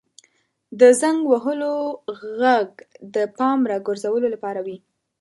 • د زنګ وهلو ږغ د پام راګرځولو لپاره وي.